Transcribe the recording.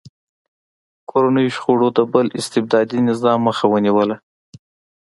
کورنیو شخړو د بل استبدادي نظام مخه ونیوله.